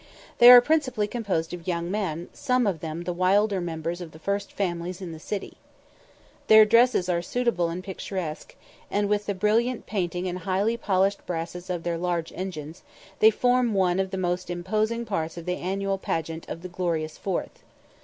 They are principally composed of young men, some of them the wilder members of the first families in the cities. Their dresses are suitable and picturesque, and, with the brilliant painting and highly polished brasses of their large engines, they form one of the most imposing parts of the annual pageant of the "Glorious Fourth."